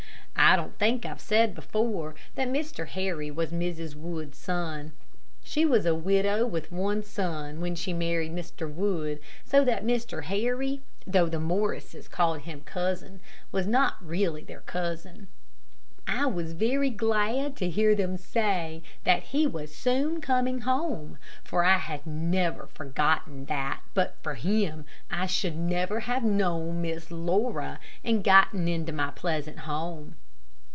I don't think I have said before that Mr. Harry was Mrs. Wood's son. She was a widow with one son when she married Mr. Wood, so that Mr. Harry, though the Morrises called him cousin, was not really their cousin. I was very glad to hear them say that he was soon coming home, for I had never forgotten that but for him I should never have known Miss Laura and gotten into my pleasant home.